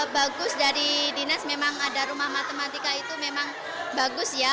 bagus dari dinas memang ada rumah matematika itu memang bagus ya